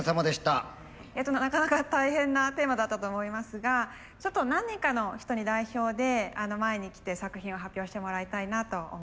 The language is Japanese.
なかなか大変なテーマだったと思いますがちょっと何人かの人に代表で前に来て作品を発表してもらいたいなと思います。